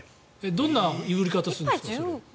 どんな売り方するんですか？